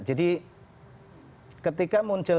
jadi ketika muncul